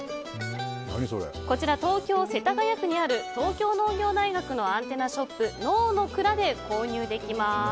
こちら、東京・世田谷区にある東京農業大学のアンテナショップ「農」の蔵で購入できます。